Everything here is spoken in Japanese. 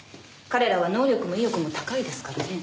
彼らは能力も意欲も高いですからね。